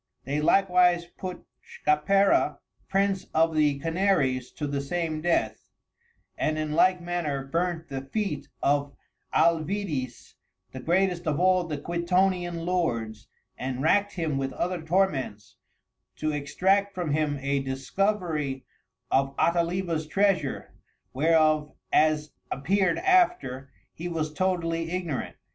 They likewise put Schapera, Prince of the Canaries to the same Death, and in like manner, burnt the Feet of Alvidis, the greatest of all the Quitonian Lords, and rackt him with other Torments to Extract from him a discovery of Ataliba's Treasure, whereof as appear'd after, he was totally ignorant.